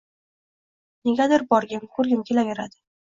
Negadir borgim, koʻrgim kelaveradi.